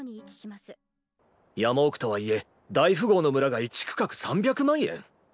山奥とはいえ大富豪の村が一区画３００万円？